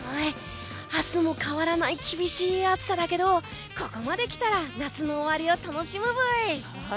明日も変わらない厳しい暑さだけどここまで来たら夏の終わりを楽しむブイ！